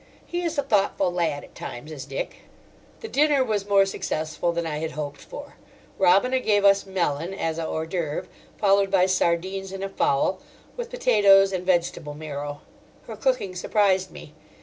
He is a thoughtful lad at times, is Dick. The dinner was more successful than I had hoped for. Robina gave us melon as a hors d'œuvre, followed by sardines and a fowl, with potatoes and vegetable marrow. Her cooking surprised me.